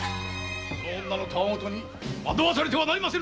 その女の戯言に惑わされてはなりませぬぞ！